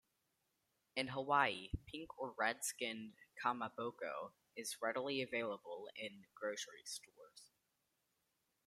In Hawaii, pink or red-skinned "kamaboko" is readily available in grocery stores.